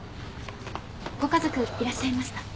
ご家族いらっしゃいました。